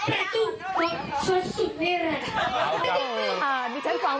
อ่าเดี๋ยวฉันที่สอง